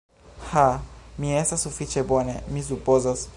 Ha, mi estas sufiĉe bone, mi supozas.